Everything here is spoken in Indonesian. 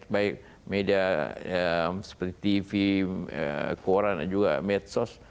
baik media seperti tv koran juga medsos